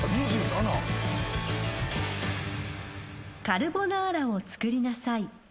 カルボナーラを作りなさい。